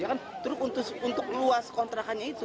ya kan terus untuk luas kontrakannya itu